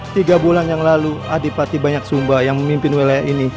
tiga bulan yang lalu adipati banyak sumba yang memimpin wilayah ini